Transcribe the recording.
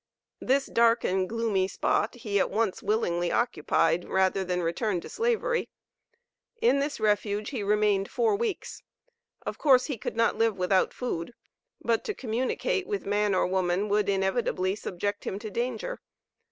This dark and gloomy spot he at once willingly occupied rather than return to Slavery. In this refuge he remained four weeks. Of course he could not live without food; but to communicate with man or woman would inevitably subject him to danger.